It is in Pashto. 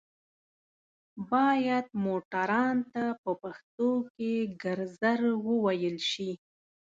بايد موټروان ته په پښتو کې ګرځر ووئيل شي